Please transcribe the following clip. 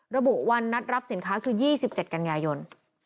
ระบุวันนัดรับสินค้าคือ๒๗กันยายน